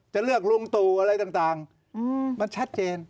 จะเลือกลุงตู่อะไรต่างมันชัดเจน